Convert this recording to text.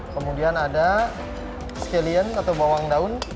kemudian ada skillian atau bawang daun